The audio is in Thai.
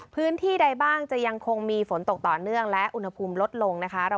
พื้นที่ใดบ้างจะยังคงมีฝนตกต่อเนื่องและอุณหภูมิลดลงนะคะ